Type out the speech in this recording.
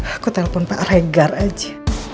aku telepon pak regar saja